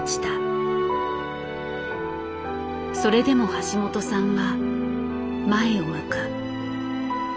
それでも橋本さんは前を向く。